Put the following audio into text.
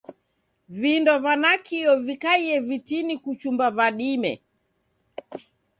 Vindo va nakio vikaie vitini kuchumba va dime.